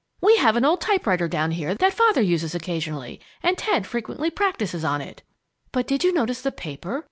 We have an old typewriter down here that Father uses occasionally, and Ted frequently practises on it." "But did you notice the paper?"